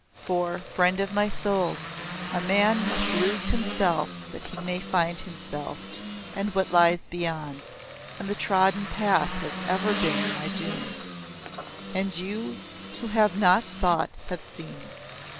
For, friend of my soul, a man must lose himself that he may find himself and what lies beyond, and the trodden path has ever been my doom. And you who have not sought have seen.